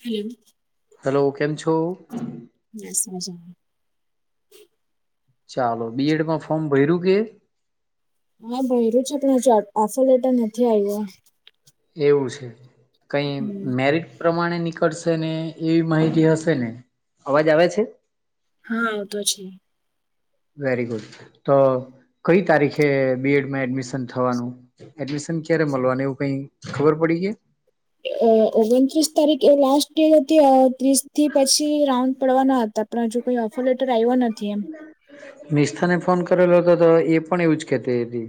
Hello hello, કેમ છો? બસ, મજામાં. ચાલો, બીએડમાં ફોર્મ ભયરૂ કે? હા ભયર્યું છે પણ હજુ આફો લેટ નથી આવ્યો એવું છે કઈ હમ મેરિટ પ્રમાણે નીકળશે ને એવી માહિતી હશે ને અવાજ આવે છે હા વેરી ગુડ તો કઈ તારીખે બીએડમાં એડમિશન થવાનું એડમિશ ચ્યારે મળવાની એવું કઈ ખબર પડી કે એ અ ઓગણત્રીસ તારીખે લાસ્ટ ડે હતી અ ત્રી હ જો કોઈ ઓફર લેટર આયવો નથી એમ મિશ્થા ને ફોન કરેલો હતો તો એ પણ એવુંજ કેતી હતી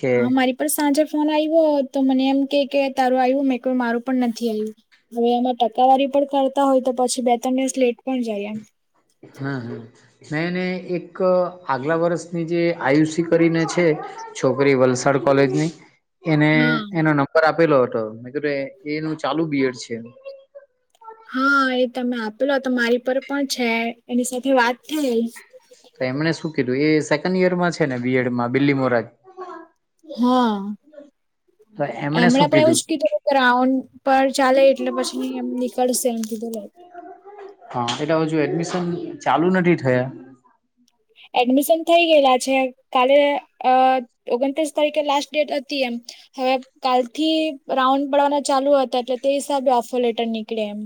કે હા મારી પર સાંજે ફોન આયવો તો મને એમ કે કે તારું આયવુ ને એટલું મારું પણ નથી આયવુ હવે આમાં ટકાવારી પણ કારતા હોય તો પછી બે ત્રણ લેટ પણ જાય એમ હા હ મેંને એક આગલા વર્ષની જે આયુષી કરીને છે છો એને હા. એનો નંબર આપેલો હતો મે કીધું એ એનું ચાલુ બીયડ છે હા એ તમે આપેલો હતો મારી પર પણ છે એની સાથે વાત થઈ કીડુ એ સેકન્ડ યરમાં છે ને બીએડમાં બીલી મોરાજ હા એમણે પણ એવુંજ કીધું ગ્રાઉન્ડ પર ચાલે એટલે પછીની એમ નીકળસ થેન્ક યુ ડુલેદ હા એટલે હવે હજુ એડમિશન ચાલુ નથી થયા એડમિશન થઈ ગયેલા છે કાલે અ ઓગણત્રીસ તારીખે લાસ્ટ ડેટ હતી એમ હવે કાલથી રાઉન્ડ પડવાના ચાલુ હતા તેટલે તે હિસાબ આફો લેટર નીકળે એમ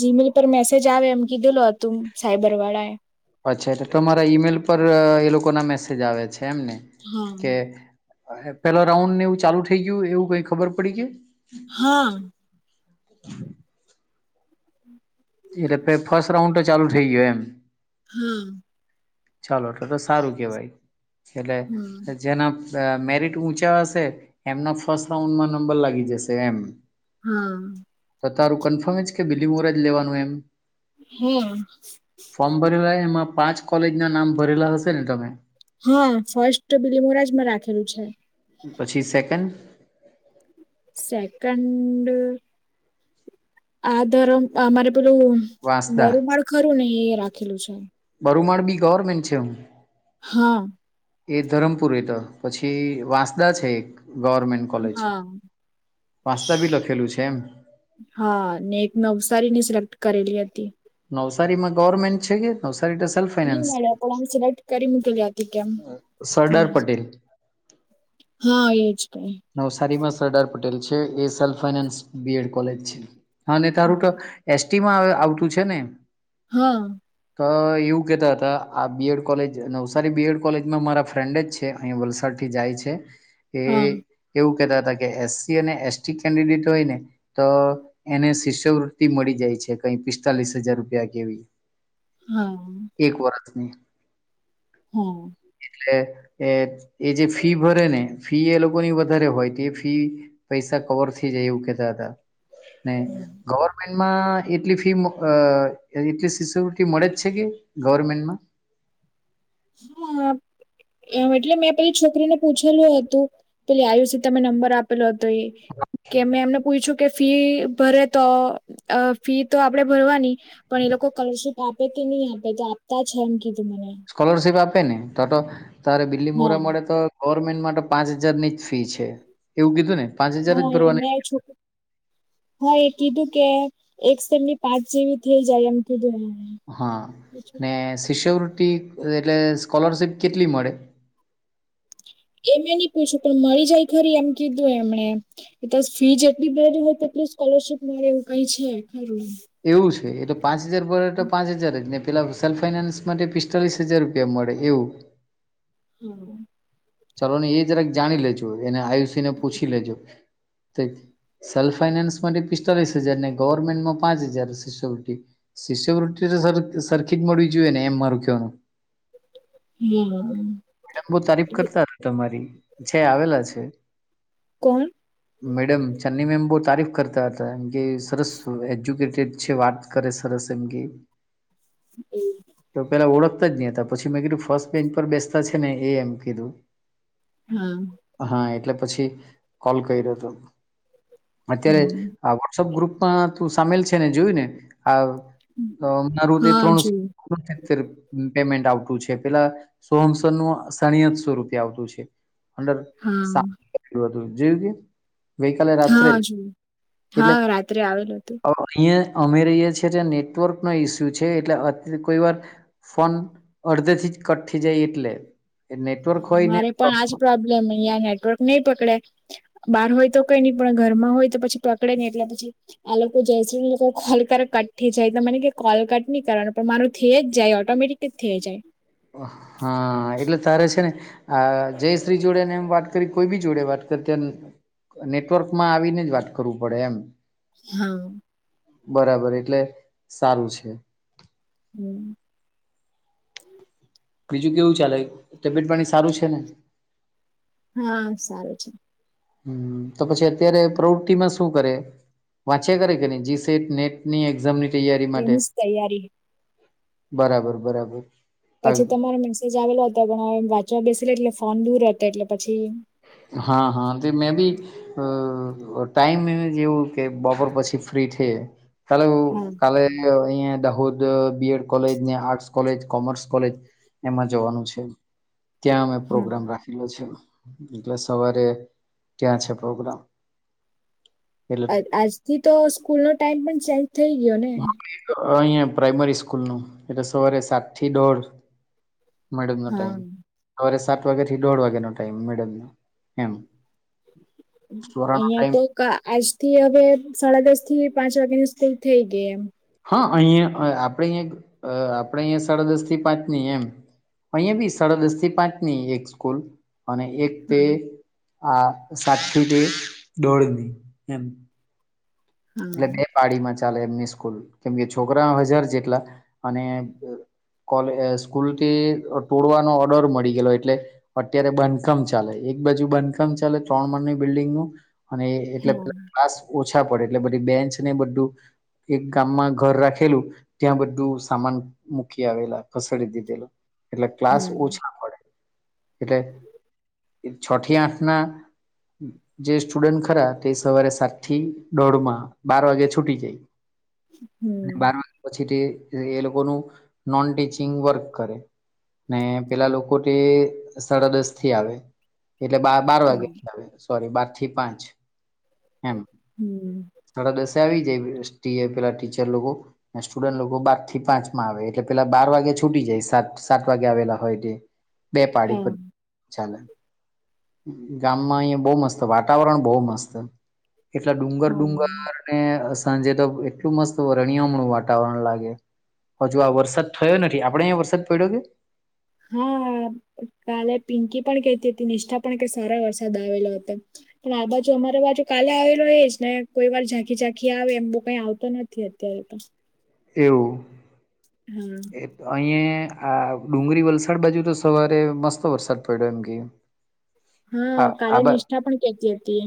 જીમેલ પર મેસેજ આવે એમ કીધેલો હતું સાયબર વાળા એ અચ્છા તો તમારા ઈમેલ પર એ લોકો ના મેસેજ આવે છે એમને હા કે પેલો રાઉન્ડ ને એવું ચાલુ થઇ ગયું એવું કઈ ખબર પડી કે હા [inaudible] [unintelligible] હા ચાલો તો તો સારું કેવાય એટલે હમ જેના અ મેરિટ ઊંચા હશે એમના ફર્સ્ટ રાઉન્ડમાં નંબર લાગી જશે એમ હા તો તારું કન્ફર્મ જ કે બિલી મોર જ લેવાનું એમ ફોર્મ હ ભરેલા એમાં પાંચ કોલેજ ના નામ ભરેલા હશે ને તમે હા ફર્સ્ટ બીલી મોરાજમાં રાખેલું છે પછી સેકન્ડ સેકન્ડ આ ધરમ આ અમારે પેલું વાંસદા બરુંમાળ ખરું ને એ રાખેલું છે બરુંમાળ બી ગવર્મેન્ટ છે હા એ ધરમપુર રેતો હ પછી વાંસદા છે એક ગવર્મેન્ટ કોલેજ હા વાંસદા બી લખેલું છે એમ હા ને એક નવસારીની સિલેક્ટ કરેલી હતી નવસારી માં ગવર્મેન્ટ છે કે નવસા તે સન નહી ફાયનાન્સ મળે પણ આમ સિલેક્ટ કરી મૂકેલી હતી કેમ સરદાર પટેલ [inaudible] હા એજ કઈ નવસારીમાં સરદાર પટેલ છે એ સલ ફાઈનાન્સ બીએડ કોલેજ છે. હા અને તારું તો એસટીમાં આ આવતું છે ને. હા. તો એવું કહેતા હતા આ બીએડ કોલેજ નવસારી બીએડ કોલેજમાં મારા ફ્રેન્ડ જ છે. અહીં વલસાડ થી જાય છે એ હા એવું કહેતા હતા કે એસસી અને એસટી કેન્ડિડેટ હોય ને તો એને શિષ્યવૃતિ મ મળી જાય છે. કઈ પિસ્તાલીસ હજાર રૂપિયા કેવી હા એક વર્ષની હમ્મ. એટલે એ જે ફી ભરે ને ફી એ લોકો. ની વધારે હોય તે ફી પૈસા કવર થઈ જાય એવું કહેતા હતા. ને ગવર્મેન્ટમાં એટલી ફી અ એટલી શિષ્યવૃતિ મળે જ છે કે ગવર્મેન્ટમાં. [inaudible] હા. એમ એટલે મેં પેલી છોકરીને પૂછેલું હતું પેલી આયુષી તમે નંબર આપેલો હતો. તો એ કે મેં એમને પૂછ્યું. કે ફી ભરે તો અ ફી તો આપડે ભરવાની પણ એ લોકો સ્કોલરશીપ આપે નહી આપે તો આપતા છે એમ કીધું. મને સ્કોલરશીપ આપે ને તોતો તારે બિલ્લી હા મોરા મળે તો ગવર્મેન્ટ માટે પાંચ હજારની જ ફી છે એવું કીધું ને. પાંચ હજાર જ હા એ ભરવાની મેં છોક હા એ કીધું કે એક સેમની પાંચ જેવી થઈ જાય એમ કીધું. એમણે. હા અને શિષ્યવૃત્તિ એટલે સ્કોલરશીપ કેટલી મળે? એમે ની પૂછ્યું પણ મળી જાય ખરી એમ કીધું એમણે એસ ફી જેટલી ભરેલી હોય તે ટલું સ્કોલરશીપ મળે એવું કઈ છે ખરું. એ તો પાંચ હજાર ભરે તો પાંચ હજાર જને પેલા સેલ્ફ ફાઈનાન્સ માટે પિસ્તાલીસ હજાર રૂપિયા મળે એવું. હમ્મ. ચાલો ને એ જરાક જાણી લેજો એને આયુષી ને પૂછી લેજો. સેલ્ફ ફાઈનાન્સમાંથી પિસ્તાલીસ હજારને ગવર્મેન્ટમાં પાંચ હજાર શિષ્યવૃતિ શિષ્યવૃતિ સરખી જ મળવી જોઈએ ને એમ મારુ કેવાનું. હમ્મ. બહુ તારીફ કરતા હતા તમારી છે આવેલા છે. કોણ મેડમ ચાંદની મેમ બો તારીફ કરતા હતા એમ કે સરસ એજ્યુકેટેડ છે. વાત કરે સરસ એમ કે તો પેલા ઓળખતા જ ની હતા પછી મેં કીધું ફર્સ્ટ બેન્ચ પર બેસતા છે ને એ હા હા એટલે પછી કોલ કર્યો હતો. અત્યારે હા વોટ્સઅપ ગ્રુપમાં તું સામેલ છે ને જોયું ને. હ મારું તે હા ત્રણસો જો સીતેર પેમેન્ટ આવતું છે. પેલા સોહમ સરનું સાડી આઠશો રૂપિયા આવતું છે. અંદર હા [unintelligible] હતું જોયું કે ગઈકાલે રાત્રે હા જો એટલે હા રાત્રે આવેલું હતું અહિયે અમે રિએ છીએ ત્યા નેટવર્ક નો ઈસ્યુ છે. એટલે અ કોઈ વાર ફોન અડધે થી જ કટ થે જાય એટલે. નેટવર્ક હોય ને મારે પણ આજ પ્રોબ્લેમ અહીંયા. નેટવર્ક નઈ પકડે બહાર હોય તો કઈ નહી પણ ઘરમાં હોય તો પછી પકડે નહી એટલે પછી આ લોકો જય શ્રી ને એ લોકો કોલ કર કટથી જાય તો મને કે કોલ કટ નહી કરવાનું પણ મારું થઈ જાય ઓટોમેટિક થે જાય હા એટલે તારે છે ને આ જયશ્રી જોડે ને એમ વાત કરી કોઈ બી જોડે વાત કરી નેટવર્કમાં આવીને જ વાત કરવું પડે, એમ હા બરાબર એટલે સારું છે. હું. બીજું કેવું ચાલે તબિયત પાણી સારું છે, ને હા સારું છે. હું તો પછી અત્યારે પ્રવૃતિ માં શું કરે? વાંચ્યા કરે કેની જીસેટ નેટની એક્ઝામની તૈયારી માટે તેની જ તૈયારી બરાબર બરાબર પછી તમારો મેસેજ આવેલો હતો પણ હવે વાંચવા બેસેલી એટલે ફોન દૂર હતો એટલે પ હા હા તે મેં બી અ ટાઈમ એ જેવું કે બપોર પછી ફ્રી છે, કાલે હા કાલે અહીંયા દાહોદ બીએડ કોલેજ ને આર્ટસ કોલેજ, કોમર્સ કોલેજ એમાં જવાનું છે, ત્યાં અમે હા પ્રોગ્રામ રાખેલો છે. એટલે સવારે ત્યાં છે, પ્રોગ્રામ એટલે આ આજથી તો સ્કૂલનો ટાઈમ પણ ચેન્જ થઈ ગયો ને અહીંયા પ્રાઈમરી સ્કૂલનું એટલે સવારે સાત થી દોઢ મેડમનો હા ટાઈમ હવારે સા વાગ્યા થી દોઢ વાગ્યા નો ટાઈમ મેડમ એમ. સોરા નો અહિયાં ટાઈમ તો આજ થી હવે સાડા દસ થી પાંચ વાગ્યા ની સ્કૂલ થઈ ગઈ એમ હા અહીયાંયા આપણે અહીંયા આપણે અહીંયા સાડા દસ થી પાંચ ની એમ અહીયા બી સાડા દસ થી પાંચ ની એક સ્કૂલ અને એક તે હા આ સાતથી તે દોઢની એમ એટલે બે પાડીમાં ચાલે એમની સ કુલ કેમકે છોકરા હજાર જેટલા અને કોલ એ સ્કૂલથી ટોડવાનો ઓર્ડર મળી ગેલો એટલે અત્યારે બાંધકામ ચાલે એક બાજુ બાંધકામ ચાલે ત્રણ માળની બિલ્ડીંગ નું અને એટલે હા પેલા ક્લાસ ઓછા પડે એટલે બધી બેન્ચ ને બધું એક ગામમાં ઘર રાખેલું ત્યાં બધું સામાન મૂકી આવેલા ખસેડી દીધેલું એટલે ક્લાસ હમ ઓછા પડે એટલે છ થી આઠ ના જે સ્ટુડન્ટ ખરા તે સવારે સાતથી દોઢ માં બાર વાગે છૂટી જઈ અને હમ. બાર વાગ્યા પછી તે એ લોકોનું નોન ટીચિંગ વર્ક કરે ને પેલા લોકો તે સાડા દસ થી આવે એટલે બા બાર વાગેથી આવે સોરી બા થી પાંચ એમ હમ સાડા દસ. આવી જાય પેલા ટીચર લોકો સ્ટુડન્ટ લોકો બાર થી પાંચ માં આવે એટલે પેલા બાર વાગે. છૂટી જાય સાત- સાત વાગે આવેલા હોય તે બે પાડી પર હા ચાલે. ગામમાં અહિયાં બહુ મસ્ત વાતાવરણ બહુ મસ્ત એટલે. હા. ડુંગરને સાંજે તો એટલું મસ્ત વરણિયામણું વાતાવરણ લાગે. હજુ આ વરસાદ થયો નથી આપડે અહીંયા વરસાદ પડ્યો કે. હા કાલે પિંકી પણ કતી હતી નિષ્ઠા પણ કે સારા વરસાદ આવેલો હતો. પણ આ બાજુ અમારી બાજુ કાલે આવેલો એ જ ને કોઈ વાર ઝાંખી -ઝાંખી આવે એમ બહુ કઈ આવતો નથી. અત્યારે તો. એવું. હા. એ અહીં આ ડુંગળી વલસાડ બાજુ તો સવારે મસ્ત વરસાદ પડ્યો એમ કે. હા આ કાલે બા નિષ્ઠા પણ કેતી હતી.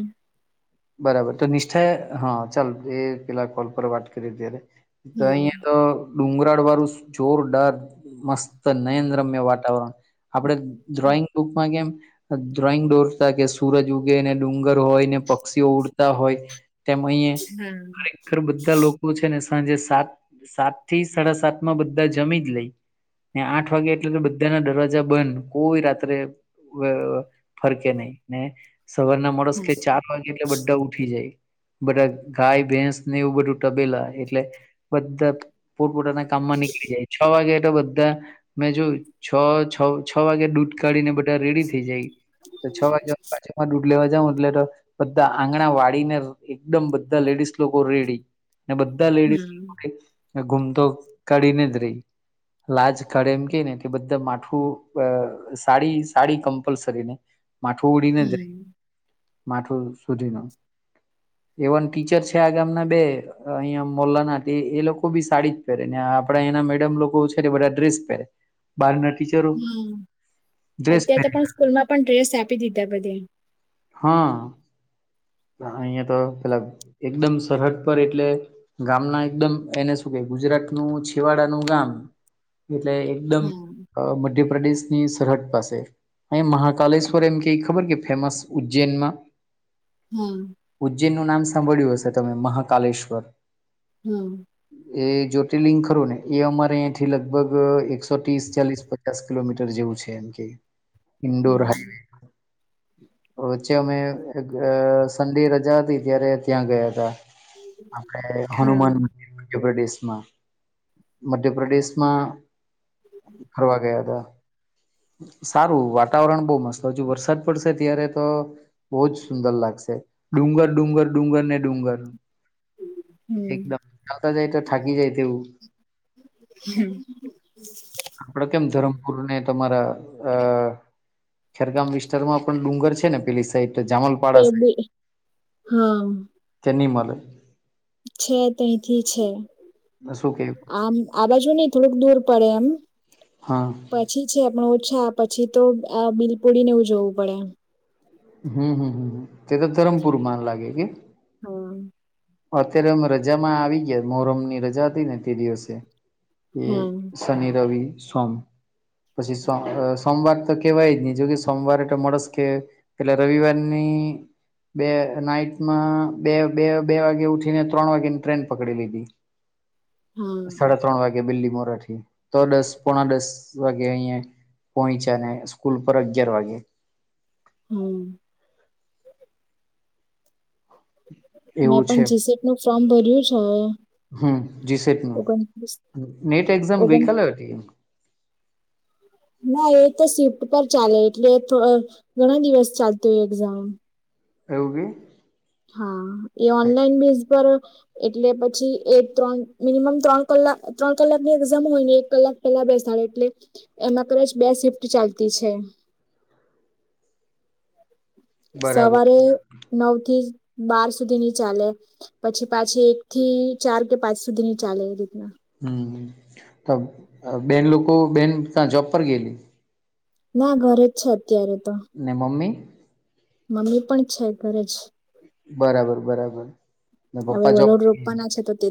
બરાબર તો નિષ્ઠા હા ચાલ એ પેલા કોલ પર વાત કરી ત્યારે તો હા અહીયાં તો ડુંગરાળ વાળું જોરદાર મસ્ત નયન રમ્ય વાતાવરણ આપણે ડ્રોઈંગ બુકમાં કેમ ડ્રોઈંગ દોરતા કે સૂરજ ઉગેને ડુંગર હોય ને પક્ષીઓ ઉડતા હોય તેમ અહીંએ હા ખરેખર બધા લોકો છે ને સાંજે સાત સાત થી સાડા સાતમાં બધા જમી જ લઈ. ને આઠ વાગે એટલે તો બધાના દરવાજા બંધ કોઈ રાત્રે અ ફરકે નહીં ને સવારના મણસ કે ચાર વાગે એટલે બધા ઉઠી જાય. બધાં ગાય ભેંસને એવું બધું તબેલા એટલે બધાં પોતપોતાના કામમાં નીકળ છ વાગે તો બધા મેં જોયું છ છ છ વાગે દૂટ કાઢી ને બધા રેડી થઈ જાય. તો છ વાગ્યામાં પાછામાં દૂઢ લેવા જાઉં એટલે તો બધા આંગણા વાળીને એકદમ બધા લેડીસ લોકો રેડી. ને બધા લેડીસ હા. લોકોએ ગુમતો કાઢીને જ રે. લાજ કાઢે એમ કે ને એટલે બધા માઠું અ સાડી સાડી કમ્પલસરીને માથું ઉડીને જાય હમ માથું સુધીમાં એવન ટીચર છે આ ગામના બે અહિયાં મોલ્લાના તે એ લોકો બી સાડી જ પહેરેને આ આપણે અહીંના મેડમ લોકો છે તે બધા ડ્રેસ પહેરે બારના હમ અત્યારે તો પહેરે પણ સ્કૂલમાં પણ ડ્રેસ આપી દીધા બધે. હહ અહિયાં તો પેલા એકદમ સરહદ પર એટલે ગામના એકદમ એને શું કે ગુજરાત નું છેવાડાનું ગામ એટલે એકદમ હમ અ મધ્ય પ્રદેશની સરહદ પાસે અહીં મહાકાલેશ્વર એમ કે ઈ ખબર કે ફેમસ ઉજ્જૈનમાં. હહ જેનું નામ સાંભળ્યું હશે તમે મહાકાલેશ્વર. હમ એ જ્યોતિર્લિંંગ ખરું ને એ અમારે અહીંથી લગભગ એકસો ત્રીસ ચાલીસ પચાસ કિલોમીટર જેવું છે એમ કે ઇન્ડોર હમ હાઈવે વચ્ચે અમે અ સન્ડે રજા હતી ત્યારે ત્યાં ગયાતા. આપડે હા હનુમાન મંદિર મધ્યપ્રદેશમાં મધ્યપ્રદેશમાં ફરવા ગયાતા. સારું વાતાવરણ બહુ મસ્ત હજુ વરસાદ પડશે ત્યારે તો બહુ જ સુંદર લાગશે. ડુંગર ડુંગર ડુંગર ને ડુંગર હમ એકદમ જાતા જાય તો થાકી જાય તેવું. તે આપડે કેમ ધરમપુરને ત તમારા અ ખેરગામ વિસ્તારમાં પણ ડુંગર છે ને પેલી સાઈડ તે જામલપાડા સાઇડ બી હા ત્યાં ની મલે. છે તેથી છે. શું કે આમ આ બાજુની થોડુંક દૂર પડે એમ. હા પછી છે પણ ઓછા પછી તો આ બિલપુડીને એવું જોવું પડે એમ. હમ હમ હમ તે તો ધરમપુર માન લાગે કે? હહ અત્યારે અમે રજામાં આવી ગયા મોહરમની રજા હતી ને તે દિવસે. એ હા શનિ રવિ. સોમ પછી સોમ અ સોમવાર તો કેવાય જ નહી જો કે સોમવારે એ તો મળસ કે એેટલે રવિવારની બે નાઈટમાં બે બે બે વાગે ઉઠીને ત્રણ વાગેની ટ્રેન પકડી લીધી. હા સાડા ત્રણ વાગે બિલ્લી મોરાઠી તો દસ પોણા દસ વાગે અહીંયા પોઇચાને સ્કૂલ પર અગિયાર વાગે હમ મેં એવું છે પણ જી સી પ નું ફોર્મ ભર્યું છે. હમ જી સેટ નું ઓગણ નીત એક્ઝામ ઓગણ ગઈકાલે હતી એમ ના એ તો સ્વિફ્ટ પર ચાલે એટલે અહહ ઘણા દિવસ ચાલતું હોય એક્ઝામ એવુ કે હા એ ઓનલાઈન બેઝ પર અહહ એટલે પછી એ ત્રણ મિનિમમ ત્રણ કલાક ત્રણ કલાકની એક્ઝામ હોય ને એક કલાક પેલા બેસે એટલે એમાં કદાચ બે શિફ્ટ ચાલતી છે. બરાબર સવારે નવ થી બાર સુધીની ચાલે પછી પાછી એક થી ચાર કે પાંચ સુધી ની ચાલે એ રીતના હમ બેન લોકો બેન ક્યા જોબ પર ગેલી ના ઘરે જ છે. અત્યારે તો ને મમ્મી મમ્મી પણ છે ઘરે જ બરાબર બરાબર ને હવે પપ્પા જોબ વલોડ રોપવા હમ ના છે તો તે